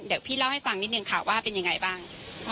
เดี๋ยวพี่เล่าให้ฟังนิดนึงค่ะว่าเป็นยังไงบ้าง